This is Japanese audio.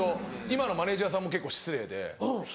今のマネジャーさんも結構失礼で。